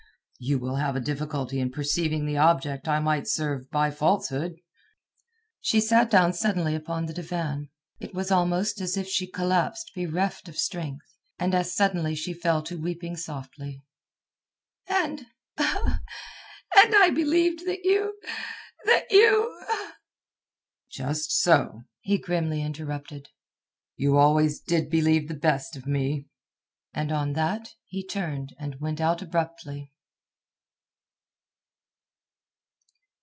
"You will have a difficulty in perceiving the object I might serve by falsehood." She sat down suddenly upon the divan; it was almost as if she collapsed bereft of strength; and as suddenly she fell to weeping softly. "And... and I believed that you... that you...." "Just so," he grimly interrupted. "You always did believe the best of me." And on that he turned and went out abruptly.